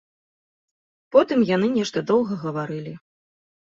Потым яны нешта доўга гаварылі.